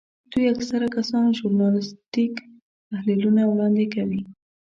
دوی اکثره کسان ژورنالیستیک تحلیلونه وړاندې کوي.